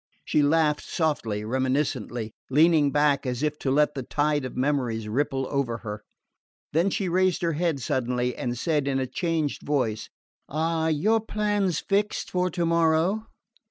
She laughed softly, reminiscently, leaning back as if to let the tide of memories ripple over her. Then she raised her head suddenly, and said in a changed voice: "Are your plans fixed for tomorrow?"